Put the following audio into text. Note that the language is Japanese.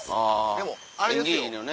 でもあれですよ